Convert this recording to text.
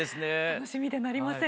楽しみでなりません。